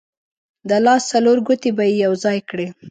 د لاس څلور ګوتې به یې یو ځای کړې.